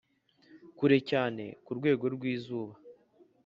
kure cyane kurwego rwizuba